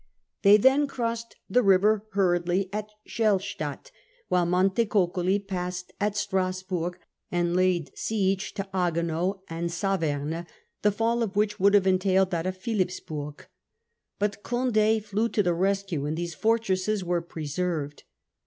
They then crossed the river hurriedly at Schelestadt, while Montecuculi passed at Strassburg and laid siege to Haguenau and Savern, the fall of which would have entailed that of Philippsburg. But Condd 239 i 675 Loujs anxious for Peace, flew to the rescue, and these fortresses were preserved.